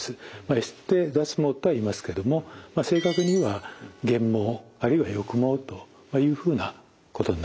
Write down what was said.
エステ脱毛とはいいますけども正確には減毛あるいは抑毛というふうなことになります。